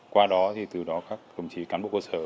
qua đó thì từ đó các đồng chí cán bộ cơ sở